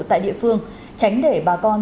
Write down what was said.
tại địa phương tránh để bà con